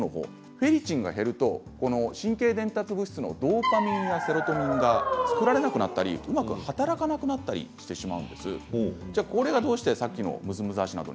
フェリチンが減ると神経伝達物質のドーパミンやセロトニンが作られなくなってうまく働かなくなったりするんです。